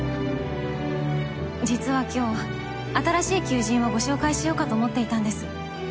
実は今日新しい求人をご紹介しようかと思っていたんです。